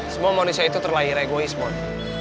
semua manusia itu terlahir egois bon